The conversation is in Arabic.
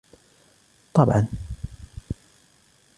طبعا.